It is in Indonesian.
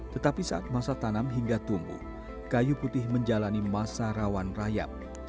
tetapi saat masa tanam hingga tumbuh kayu putih menjalani masa rawan rayap